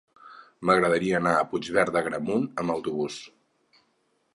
M'agradaria anar a Puigverd d'Agramunt amb autobús.